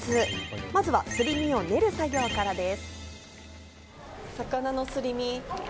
まずは、すり身を練る作業からです。